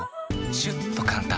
シュッと簡単！